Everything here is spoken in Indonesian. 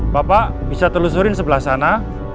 bapak bisa telusurin sebelah sana